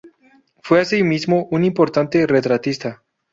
Fue asimismo un importante retratista.